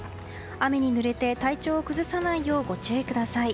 雨にぬれて体調を崩さないようご注意ください。